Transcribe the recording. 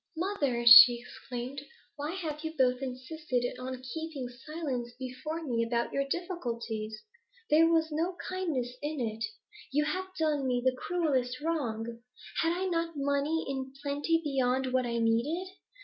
'Mother!' she exclaimed, 'why have you both insisted on keeping silence before me about your difficulties? There was no kindness in it; you have done me the cruelest wrong. Had I not money in plenty beyond what I needed?